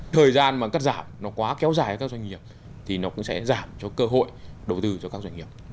thời gian mà cắt giảm nó quá kéo dài với các doanh nghiệp thì nó cũng sẽ giảm cho cơ hội đầu tư cho các doanh nghiệp